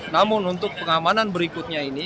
namun untuk pengamanan berikutnya ini